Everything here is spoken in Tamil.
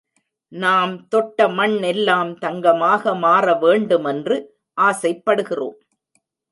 நாம் தொட்ட மண் எல்லாம் தங்கமாக மாற வேண்டுமென்று ஆசைப்படுகிறோம்.